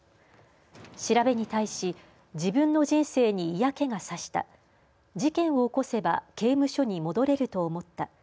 調べに対し自分の人生に嫌気が差した事件を起こせば刑務所に戻れると思った。